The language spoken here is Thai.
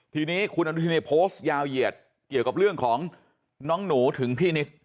ทีนี้คุณอนุทินโพสต์ยาวเหยียดเกี่ยวกับเรื่องของน้องหนูถึงพี่นิด